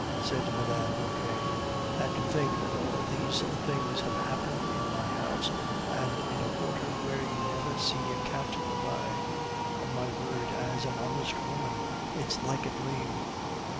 said Mme. Vauquer. "And to think that all these things have happened in my house, and in a quarter where you never see a cat go by. On my word as an honest woman, it's like a dream.